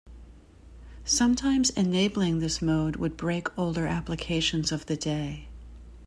Sometimes enabling this mode would break older applications of the day.